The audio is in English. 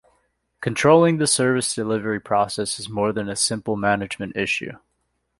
Controlling the service delivery process is more than a simple management issue.